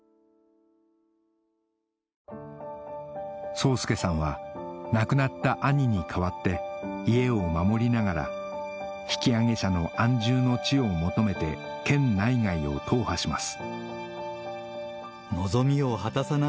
壮助さんは亡くなった兄に代わって家を守りながら引き揚げ者の安住の地を求めて県内外を踏破します